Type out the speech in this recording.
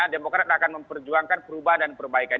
demokrat akan memperjuangkan perubahan dan perbaikan